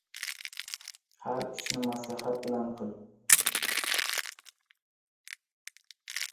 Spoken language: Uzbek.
— Har ishni maslahat bilan qil.